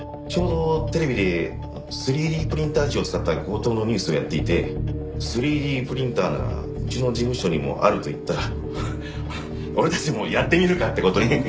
ちょうどテレビで３Ｄプリンター銃を使った強盗のニュースをやっていて３Ｄプリンターならうちの事務所にもあると言ったら俺たちもやってみるかって事に。